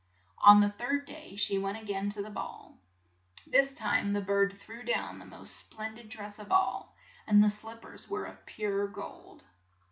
On the third day she went a gain to the ball. This time the bird threw down the most splen did dress of all, and the slip pers were of pure gold.